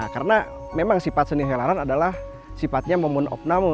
karena memang sifat seni helaran adalah sifatnya momun opnamu